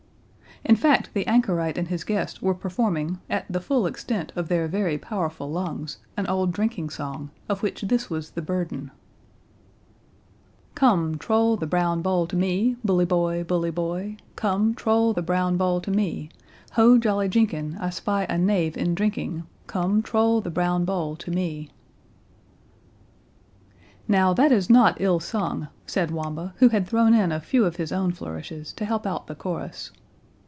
In fact the anchorite and his guest were performing, at the full extent of their very powerful lungs, an old drinking song, of which this was the burden:— "Come, trowl the brown bowl to me, Bully boy, bully boy, Come, trowl the brown bowl to me: Ho! jolly Jenkin, I spy a knave in drinking, Come, trowl the brown bowl to me." "Now, that is not ill sung," said Wamba, who had thrown in a few of his own flourishes to help out the chorus.